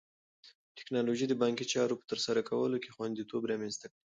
ټیکنالوژي د بانکي چارو په ترسره کولو کې خوندیتوب رامنځته کړی.